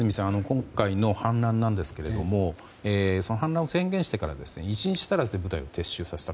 今回の反乱なんですがその反乱を宣言してから１日足らずで部隊を撤収させた。